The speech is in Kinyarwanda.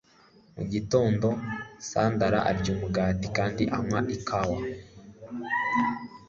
mu gitondo, sandra arya umugati kandi anywa ikawa